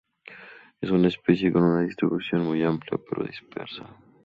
Es una especie con una distribución muy amplia, pero dispersa.